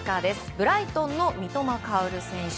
ブライトンの三笘薫選手。